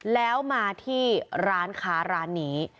แล้วมาที่ร้านค้าร้านนี้